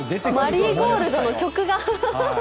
マリーゴールドの曲が。